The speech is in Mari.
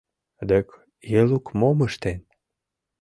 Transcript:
Дык Елук мом ыштен?